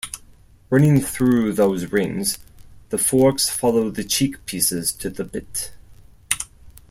Running through those rings, the forks follow the cheekpieces to the bit.